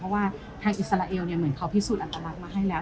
เพราะว่าทางอิสราเอลเหมือนเขาพิสูจนอัตลักษณ์มาให้แล้ว